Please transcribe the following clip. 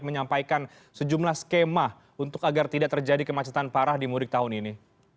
menyampaikan sejumlah skema untuk agar tidak terjadi kemacetan parah di mudik tahun ini